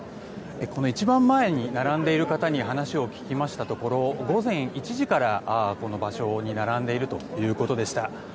一番前に並んでいる方に話を聞きましたところ午前１時からこの場所に並んでいるということでした。